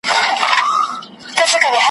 په مایکروفون کي یې ویلی دی ,